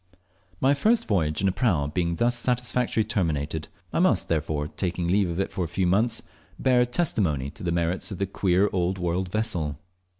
My first voyage in a prau being thus satisfactorily terminated, I must, before taking leave of it for some months, bear testimony to the merits of the queer old world vessel.